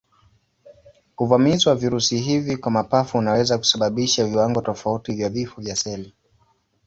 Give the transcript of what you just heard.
Uvamizi wa virusi hivi kwa mapafu unaweza kusababisha viwango tofauti vya vifo vya seli.